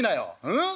うん？